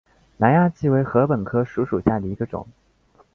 南亚稷为禾本科黍属下的一个种。